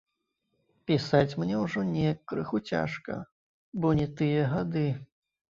Пісаць мне ўжо неяк крыху цяжка, бо не тыя гады.